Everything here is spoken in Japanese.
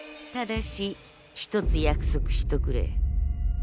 ただし一つ約束しとくれ。